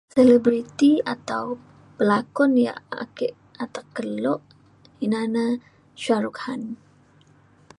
Celebrity atau pelakun ya ake atek kelo inah na Shah Rukh Khan.